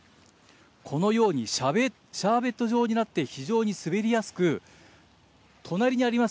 このようにシャーベット状になって、非常に滑りやすく、隣にあります